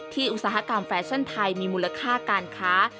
อุตสาหกรรมแฟชั่นไทยมีมูลค่าการค้า